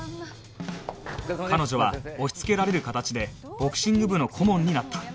彼女は押しつけられる形でボクシング部の顧問になった